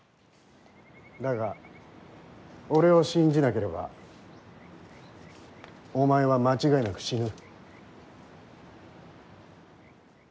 だが俺を信じなければお前は間違いなく死ぬ。